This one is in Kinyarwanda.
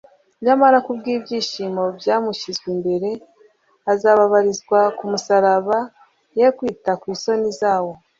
nyamara kubw'ibyishimo byamushyizwe imbere, azababarizwa ku musaraba ye kwita kw'isoni zawo.